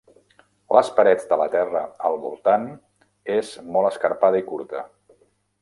Les parets de la terra al voltant és molt escarpada i curta.